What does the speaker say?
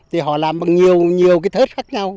thì họ làm bằng nhiều cái thết khác nhau